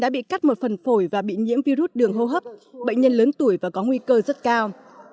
bị cắt một phần phổi và bị nhiễm virus đường hô hấp bệnh nhân lớn tuổi và có nguy cơ rất cao